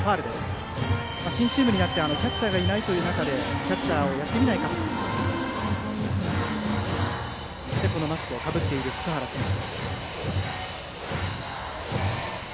新チームになってキャッチャーがいないという中でキャッチャーをやってみないかということでマスクをかぶっている福原選手。